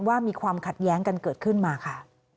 ว่ามีความขัดแย้งกันเกิดขึ้นมาค่ะ